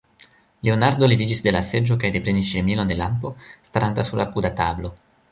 Leonardo leviĝis de la seĝo kaj deprenis ŝirmilon de lampo, staranta sur apuda tablo.